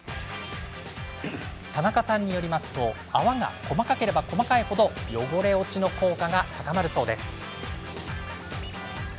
田中さんによると泡が細かければ細かい程汚れ落ちの効果が高まるそうです。